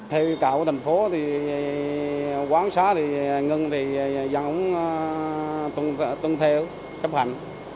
theo cạo của thành phố thì quán xá thì ngân thì dân cũng tuân theo chấp hành